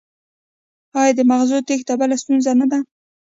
آیا د مغزونو تیښته بله ستونزه نه ده؟